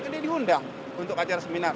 jadi diundang untuk acara seminar